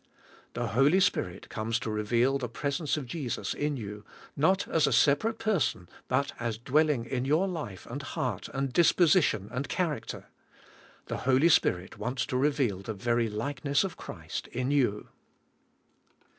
" The Holy Spirit comes to reveal the presence of Jesus in you, not as a separate person, but as dwelling in your life and heart and disposition and character. The Holy Spirit wants to reveal the very likeness of Christ in you.